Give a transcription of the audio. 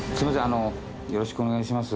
あのよろしくお願いします。